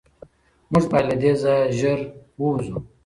موږ باید له دې ځایه زر ووځو.